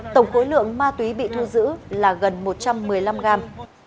tổng khối lượng ma túy bị thu giữ là gần một trăm một mươi năm gram